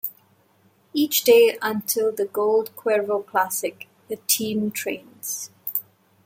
Each day until the Gold Cuervo Classic, the team trains.